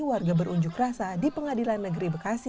warga berunjuk rasa di pengadilan negeri bekasi